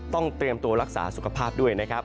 ต้องเตรียมตัวรักษาสุขภาพด้วยนะครับ